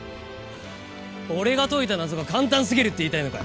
俺が解いた謎が簡単すぎるって言いたいのかよ！